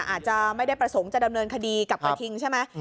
อาจจะไม่ได้ประสงค์จะดำเนินคดีกับกระทิงใช่ไหม